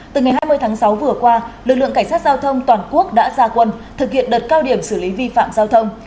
từ ngày hai mươi tháng sáu vừa qua lực lượng cảnh sát giao thông toàn quốc đã ra quân thực hiện đợt cao điểm xử lý vi phạm giao thông